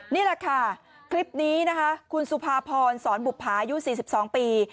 นี่แหละค่ะคลิปนี้คุณสุภาพรสรบุพายุ๔๒ปี